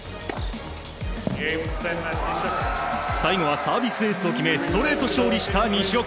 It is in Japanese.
最後はサービスエースを決めストレート勝利した西岡。